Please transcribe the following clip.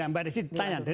mbak desy ditanya